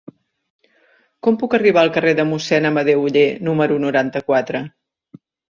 Com puc arribar al carrer de Mossèn Amadeu Oller número noranta-quatre?